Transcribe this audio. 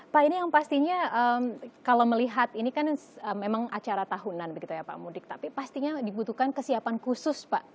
pak ini yang pastinya kalau melihat ini kan memang acara tahunan begitu ya pak mudik tapi pastinya dibutuhkan kesiapan khusus pak